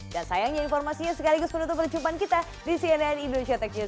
dan sayangnya informasinya sekaligus menutup perjumpaan kita di cnn indonesia tech news